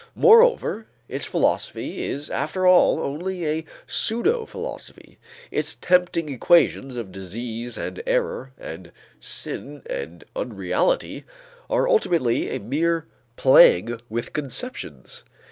Moreover its philosophy is after all only a pseudophilosophy; its tempting equations of disease and error and sin and unreality are ultimately a mere playing with conceptions.